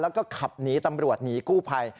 แล้วก็ขับหนีตำรวจหนีกู้ภัย